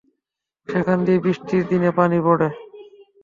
সেখান দিয়ে বৃষ্টির দিনে পানি পড়ে।